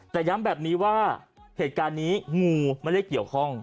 แต่ย้ำแบบนี้ว่าเหตุการณ์นี้งูไม่ได้เกี่ยวข้อง